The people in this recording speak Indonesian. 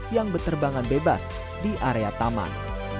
yang berterbangan bebas di area taman